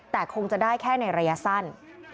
แต่คงจะได้แค่ในระยะสั้น